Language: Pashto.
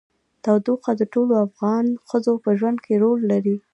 تودوخه د ټولو افغان ښځو په ژوند کې رول لري.